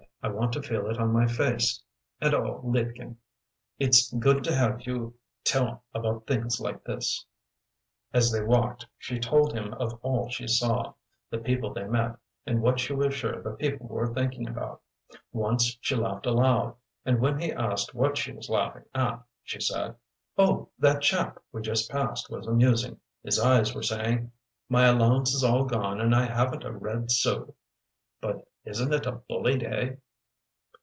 "I want to feel it on my face. And oh, liebchen it's good to have you tell about things like this." As they walked she told him of all she saw: the people they met, and what she was sure the people were thinking about. Once she laughed aloud, and when he asked what she was laughing at, she said, "Oh, that chap we just passed was amusing. His eyes were saying 'My allowance is all gone and I haven't a red sou but isn't it a bully day?'"